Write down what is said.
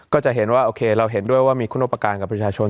ก็จะเห็นว่าโอเคเราเห็นด้วยว่ามีคุณอุปการณ์กับประชาชน